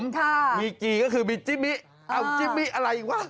ค่ะมีกีก็คือมีจิ๊มมิอ้าวจิ๊มมิอะไรอีกวะ